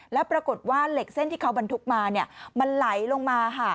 แล้วปรากฏว่าเหล็กเส้นที่เขาบรรทุกมามันไหลลงมาค่ะ